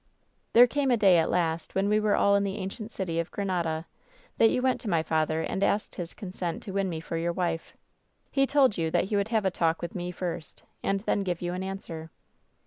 "There came a day, at last, when we were all in the ancient city of Grenada, that you went to my father and asked his consent to win me for your wife. He told you that he would have a talk with me first, and then give you an answer.